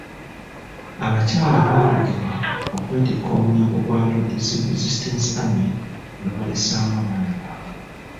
Abakyala baalagirwa okwetikka omunyago gwa Lord's Resistance Army ne babalesaawo abaana baabwe.